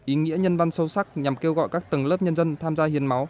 ý nghĩa nhân văn sâu sắc nhằm kêu gọi các tầng lớp nhân dân tham gia hiến máu